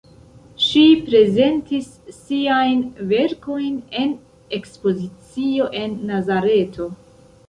Ŝi prezentis siajn verkojn en ekspozicio en Nazareto.